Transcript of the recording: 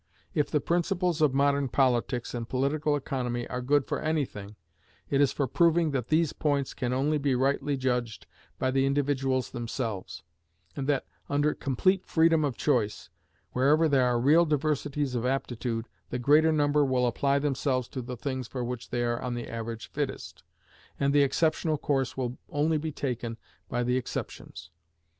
If the principles of modern politics and political economy are good for any thing, it is for proving that these points can only be rightly judged of by the individuals themselves; and that, under complete freedom of choice, wherever there are real diversities of aptitude, the greater number will apply themselves to the things for which they are on the average fittest, and the exceptional course will only be taken by the exceptions.